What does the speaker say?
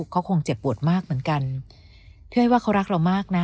เขาคงเจ็บปวดมากเหมือนกันพี่อ้อยว่าเขารักเรามากนะ